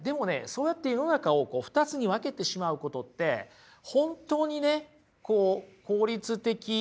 そうやって世の中を２つに分けてしまうことって本当にね効率的なんでしょうか？